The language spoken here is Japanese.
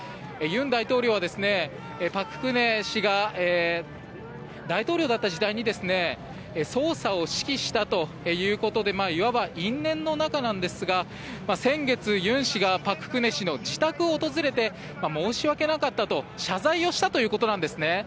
尹大統領は朴槿惠氏が大統領だった時代に捜査を指揮したということでいわば因縁の仲なんですが先月、尹氏が朴槿惠氏の自宅を訪れて申し訳なかったと謝罪をしたということなんです。